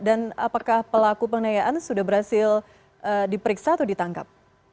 dan apakah pelaku penganyaan sudah berhasil diperiksa atau ditangkap